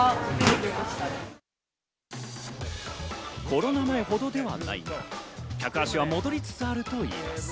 コロナ前ほどではないが、客足は戻りつつあるといいます。